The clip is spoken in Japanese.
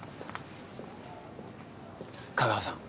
香川さん。